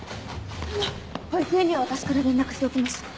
あの保育園には私から連絡しておきました。